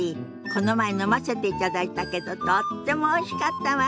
この前飲ませていただいたけどとってもおいしかったわ。